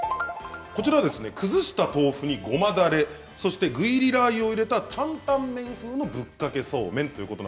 崩した豆腐にごまだれ具入りラーユを入れたタンタン麺風のぶっかけそうめん。